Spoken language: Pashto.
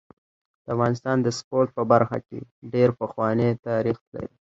د افغانستان د سپورټ په برخه کي ډير پخوانی تاریخ لري.